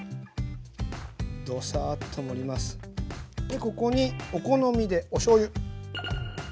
でここにお好みでおしょうゆ。